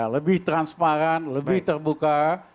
lebih transparan lebih terbuka